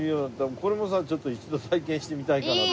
これもさちょっと一度体験してみたいかなと。